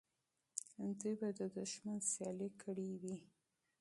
دوی به د دښمن مقابله کړې وي.